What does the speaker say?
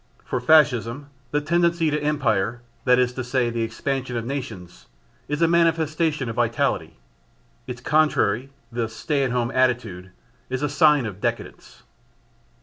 For Fascism, the tendency to empire, that is to say the expansion of nations, is a manifestation of vitality, its contrary (the stay at home attitude) is a sign of decadence.